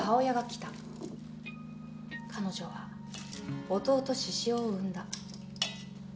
彼女は弟獅子雄を産んだ。